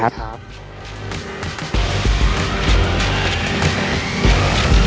โปรดติดตามตอนต่อไป